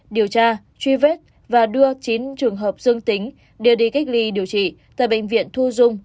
điều tra truy vết và đưa chín trường hợp dương tính đưa đi cách ly điều trị tại bệnh viện thu dung